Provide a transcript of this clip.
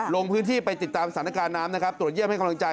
ลงพื้นที่ไปติดตามสถานการณ์น้ำนะครับตรวจเยี่ยมให้กำลังใจ